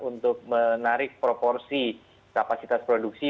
untuk menarik proporsi kapasitas produksi